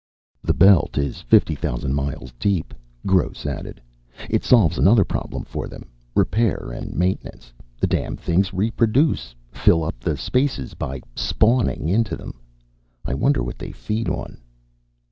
"The belt is fifty thousand miles deep," Gross added. "It solves another problem for them, repair and maintenance. The damn things reproduce, fill up the spaces by spawning into them. I wonder what they feed on?"